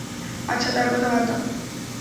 আচ্ছা তার কথা বাদ দেও।